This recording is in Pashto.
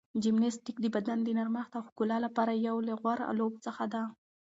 جمناستیک د بدن د نرمښت او ښکلا لپاره یو له غوره لوبو څخه ده.